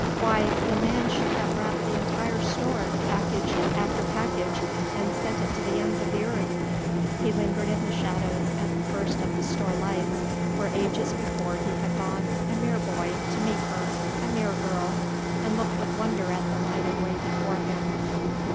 Why! the man should have wrapped the entire store, package after package, and sent it to the ends of the earth. He lingered in the shadows at the first of the store lights where ages before he had gone, a mere boy, to meet her, a mere girl, and looked with wonder at the lighted way before him.